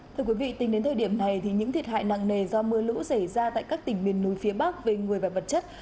thưa quý vị tính đến thời điểm này những thiệt hại nặng nề do mưa lũ xảy ra tại các tỉnh miền núi phía bắc về người và vật chất